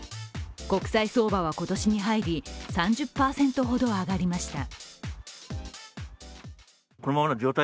国際相場は今年に入り３０％ほど上がりました。